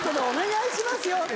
お願いしますよ。